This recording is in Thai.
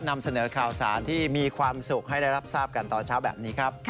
นำเสนอข่าวสารที่มีความสุขให้ได้รับทราบกันตอนเช้าแบบนี้ครับ